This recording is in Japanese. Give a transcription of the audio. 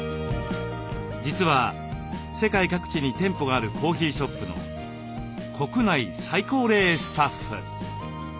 実は世界各地に店舗があるコーヒーショップの国内最高齢スタッフ。